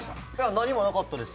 何もなかったです